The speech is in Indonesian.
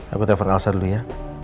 aku telepon alsent dulu ya